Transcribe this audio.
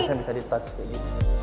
biasanya bisa di touch kayak gini